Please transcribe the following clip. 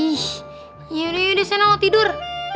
ih yaudah yaudah senang lo tidur